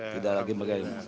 tidak lagi bagaimana